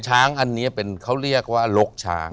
ช้างอันนี้เป็นเขาเรียกว่าลกช้าง